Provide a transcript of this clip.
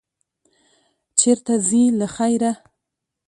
چېرته ځې، له خیره؟